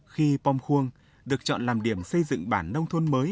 khi bông khuông được chọn làm điểm xây dựng bản nông thuận mới